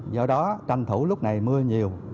do đó tranh thủ lúc này mưa nhiều